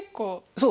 そう！